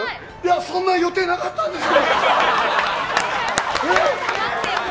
そんな予定なかったんですよ。